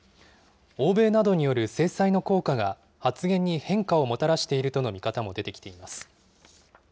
欧米などによる制裁の効果が発言に変化をもたらしているとの見方も出てきています。